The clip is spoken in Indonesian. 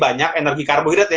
banyak energi karbohidrat ya